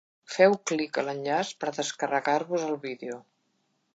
Feu clic a l'enllaç per descarregar-vos el vídeo.